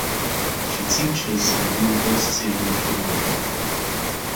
She teaches at University of Notre Dame.